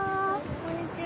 こんにちは。